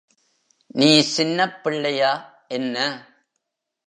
நீ சின்னப்பிள்ளையா என்ன?